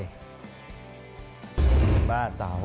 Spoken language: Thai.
หมู่บ้าน